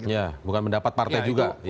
ya bukan mendapat partai juga